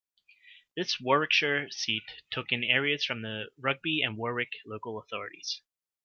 This Warwickshire seat took in areas from the Rugby and Warwick local authorities.